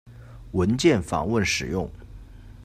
文件访问使用。